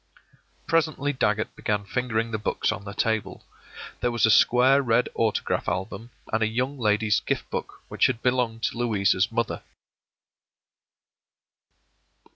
” Presently Dagget began fingering the books on the table. There was a square red autograph album, and a Young Lady's Gift Book which had belonged to Louisa's mother.